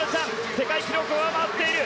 世界記録を上回っている。